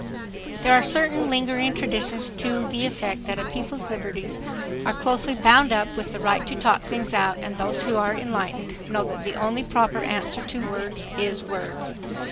There are certain lingering traditions to the effect that a people's liberties are closely bound up with the right to talk things out and those who are enlightened know that the only proper answer to words is words.